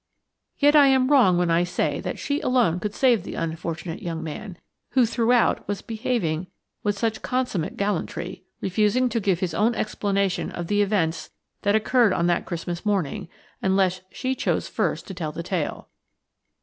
Yet am I wrong when I say that she alone could save the unfortunate young man, who throughout was behaving with such consummate gallantry, refusing to give his own explanation of the events that occurred on that Christmas morning, unless she chose first to tell the tale.